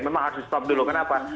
memang harus di stop dulu kenapa